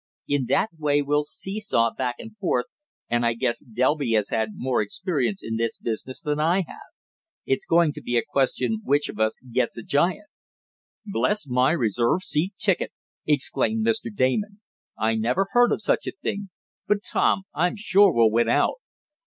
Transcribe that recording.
In that way we'll sea saw back and forth, and I guess Delby has had more experience in this business than I have. It's going to be a question which of us gets a giant." "Bless my reserved seat ticket!" exclaimed Mr. Damon. "I never heard of such a thing! But, Tom, I'm sure we'll win out."